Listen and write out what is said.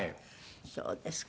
そうですか。